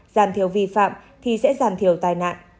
giàn thiểu vi phạm thì sẽ giàn thiểu tài nạn